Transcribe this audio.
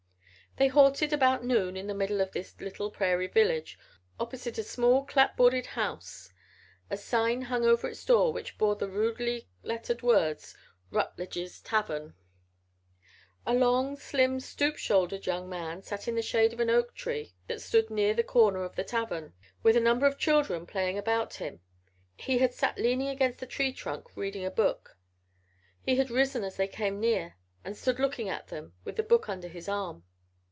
They halted about noon in the middle of this little prairie village, opposite a small clapboarded house. A sign hung over its door which bore the rudely lettered words: "Rutledge's Tavern." A long, slim, stoop shouldered young man sat in the shade of an oak tree that stood near a corner of the tavern, with a number of children playing around him. He had sat leaning against the tree trunk reading a book. He had risen as they came near and stood looking at them, with the book under his arm.